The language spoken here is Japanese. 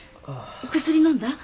薬飲んだ？